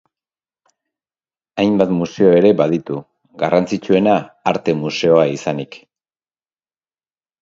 Hainbat museo ere baditu, garrantzitsuena arte museoa izanik.